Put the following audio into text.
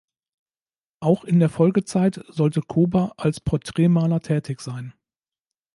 Auch in der Folgezeit sollte Kober als Porträtmaler tätig sein.